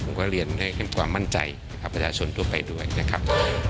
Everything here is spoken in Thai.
ผมก็เรียนให้ความมั่นใจกับประชาชนทั่วไปด้วยนะครับ